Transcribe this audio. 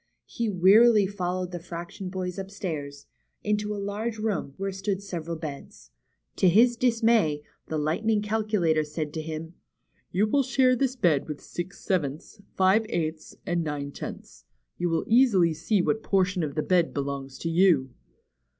He wearily followed the fraction boys upstairs, into a large room, where stood several beds. To his dismay, the Lightning Calculator said to him : ^^You will share this bed with Six Sevenths, Five Eighths, and Nine Tenths. You will easily see what portion of the bed belongs to you."